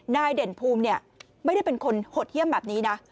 เด่นภูมิไม่ได้เป็นคนหดเยี่ยมแบบนี้นะ